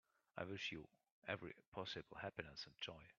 I wish you every possible happiness and joy.